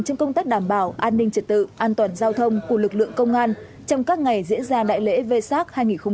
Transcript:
trong công tác đảm bảo an ninh trật tự an toàn giao thông của lực lượng công an trong các ngày diễn ra đại lễ về sắc hai nghìn một mươi chín